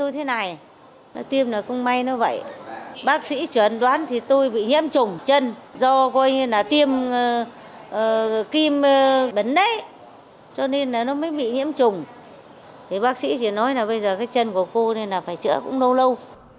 thì bác sĩ chỉ nói là bây giờ cái chân của cô nên là phải chữa cũng đâu lâu